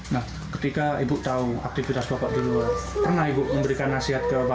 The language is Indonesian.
nah ketika ibu tahu aktivitas bapak di luar pernah ibu memberikan nasihat ke bapak